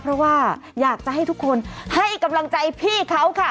เพราะว่าอยากจะให้ทุกคนให้กำลังใจพี่เขาค่ะ